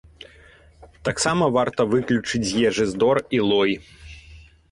Таксама варта выключыць з ежы здор і лой.